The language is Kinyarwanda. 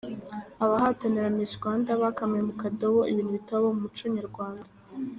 Abahatanira Miss Rwanda bakamiye mu kadobo ibintu bitabaho mu muco nyarwanda.